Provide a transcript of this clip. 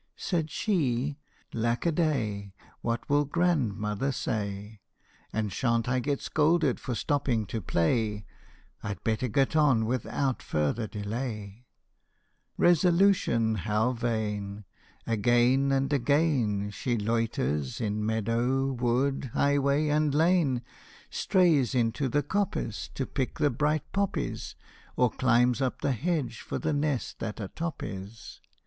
Said she, " Lack a day ! What will grandmother say ? And shan't I get scolded for stopping to play ! I 'd better get on without further delay !" Resolution how vain ! Again and again She loiters in meadow, wood, highway, and lane Strays into the coppice To pick the bright poppies, Or climbs up the hedge for the nest that a top is